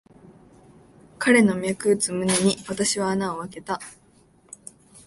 彼の脈打つ胸に、私は穴をあけた。